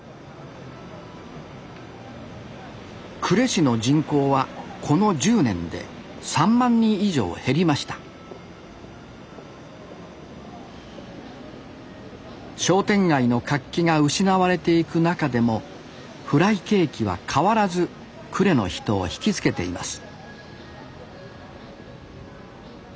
呉市の人口はこの１０年で３万人以上減りました商店街の活気が失われていく中でもフライケーキは変わらず呉の人を引き付けています